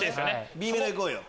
Ｂ メロ行こうよ。